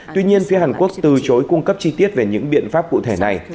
tuy nhiên phía hàn quốc từ chối cung cấp chi tiết về những biện pháp cụ thể này